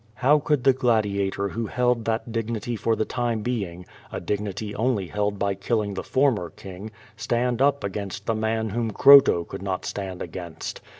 How could the gladiator who held that dignity for the time being — ^a dignity only held by killing the former king — stand up against the man whom Croto could not stand against?